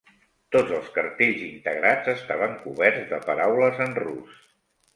Tots els cartells integrats estaven coberts de paraules en rus.